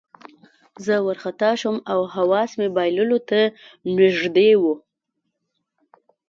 زه وارخطا شوم او حواس مې بایللو ته نږدې وو